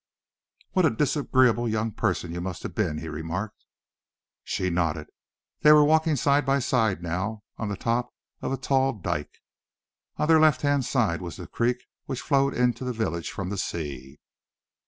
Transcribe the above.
"What a disagreeable young person you must have been!" he remarked. She nodded. They were walking side by side now on the top of a tall dyke. On their left hand side was the creek which flowed into the village from the sea.